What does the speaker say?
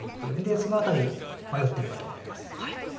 その辺り迷ってるかと思います。